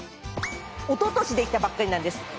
おととし出来たばっかりなんです。